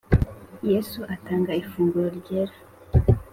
Yesu atanga ifunguro ryera